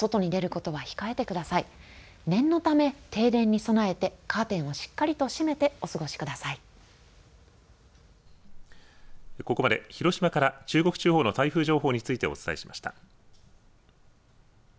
ここまで広島から中国地方の台風情報についてお伝えしました。